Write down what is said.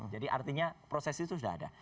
jadi artinya proses itu sudah ada